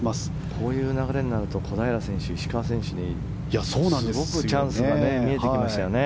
こういう流れになると小平選手、石川選手にすごくチャンスが見えてきましたね。